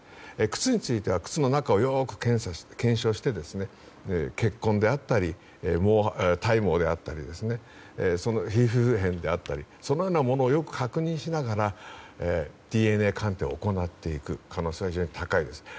靴については靴の中をよく検証して血痕であったり体毛であったり皮膚片であったりそのようなものをよく確認しながらＤＮＡ鑑定を行っていく可能性は非常に高いです。